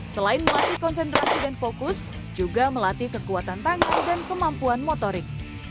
selain melatih konsentrasi dan fokus juga melatih kekuatan tangan dan kemampuan motorik